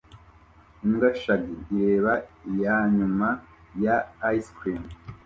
Imbwa shaggy ireba iyanyuma ya ice cream